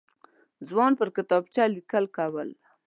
ځوان پر کتابچه لیکل کول.